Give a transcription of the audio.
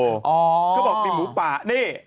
อ๋อก็บอกมีหมูป่านี่